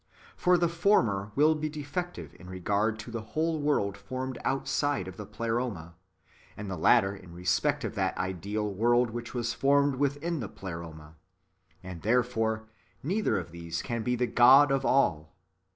For the former will be defective in regard to the whole world formed outside of the Pleroma, and the latter in respect of that [ideal] world which was formed within the Pleroma ; and [therefore] neither of these can be the God of all.